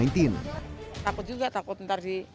takut juga takut